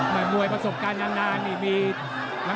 มวยประสบการณ์นาน